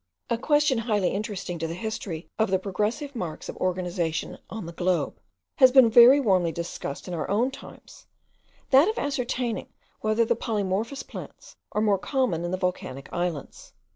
A question highly interesting to the history of the progressive marks of organization on the globe has been very warmly discussed in our own times, that of ascertaining whether the polymorphous plants are more common in the volcanic islands.